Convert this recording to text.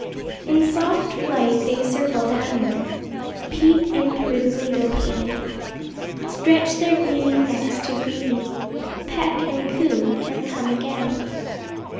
In soft flight, they circle downward, Peep in through the window pane; Stretch their gleaming necks to greet me, Peck and coo, and come again.